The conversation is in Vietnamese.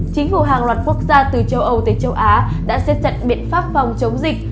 chính phủ hàng loạt quốc gia từ châu âu tới châu á đã xếp chặt biện pháp phòng chống dịch